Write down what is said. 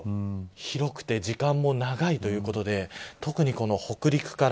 広くて時間も長いということで特に北陸から